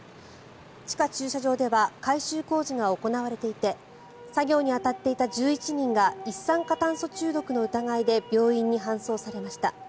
地下駐車場では改修工事が行われていて作業に当たっていた１１人が一酸化炭素中毒の疑いで病院に搬送されました。